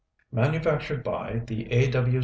MANUFACTURED BY The A. W.